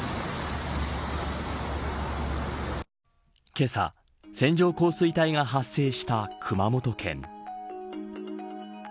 けさ線状降水帯が発生した熊本県。